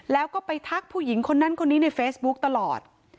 แล้วก็ไปทักผู้หญิงคนนั้นคนนี้ในเฟซบุ๊กตลอด